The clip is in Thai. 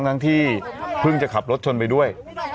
ทั้งที่เพิ่งจะขับรถชนไปด้วย